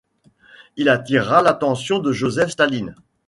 Il attira l'attention de Joseph Staline.